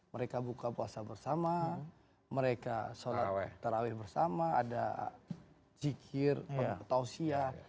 mereka buka puasa bersama mereka solat taraweh bersama ada zikir petausiah